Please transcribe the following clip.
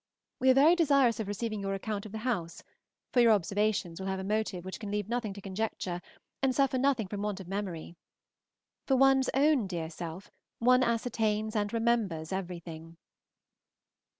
We are very desirous of receiving your account of the house, for your observations will have a motive which can leave nothing to conjecture and suffer nothing from want of memory. For one's own dear self, one ascertains and remembers everything.